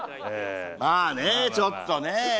まあね、ちょっとね。